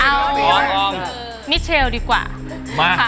เอามิเชลดีกว่า